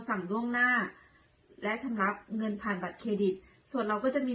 ล่วงหน้าและชำระเงินผ่านบัตรเครดิตส่วนเราก็จะมี